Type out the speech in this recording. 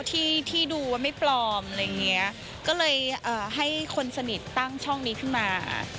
ที่ที่ดูว่าไม่ปลอมอะไรอย่างเงี้ยก็เลยเอ่อให้คนสนิทตั้งช่องนี้ขึ้นมา